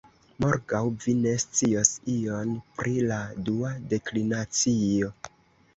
Morgaŭ vi ne scios ion pri la dua deklinacio.